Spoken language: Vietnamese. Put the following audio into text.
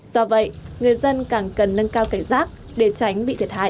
do vậy người dân càng cần nâng cao cảnh giác để tránh bị thiệt hại